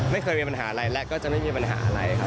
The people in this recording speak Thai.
ไม่เคยมีปัญหาอะไรและก็จะไม่มีปัญหาอะไรครับ